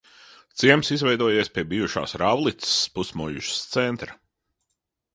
Ciems izveidojies pie bijušās Rāvlicas pusmuižas centra.